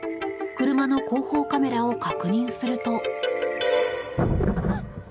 車の後方カメラを確認すると。